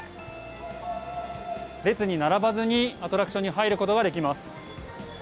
列に並ばずにアトラクションに入ることができます。